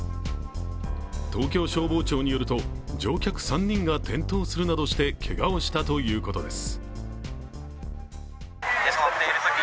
東京消防庁によると乗客３人が転倒するなどしてけがをしたということです。